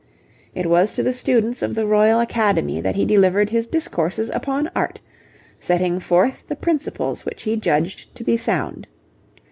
It was to the students of the Royal Academy that he delivered his Discourses upon Art, setting forth the principles which he judged to be sound.